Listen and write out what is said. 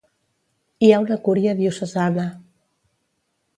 Hi ha una Cúria Diocesana.